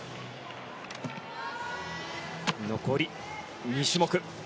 残り２種目。